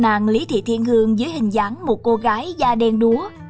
nàng lý thị thiên hương dưới hình dáng một cô gái da đen đúa